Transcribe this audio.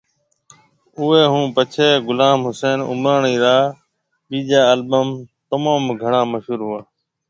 اوئي ھونپڇي غلام حسين عمراڻي را ٻيجا البم تموم گھڻا مشھور ھوئا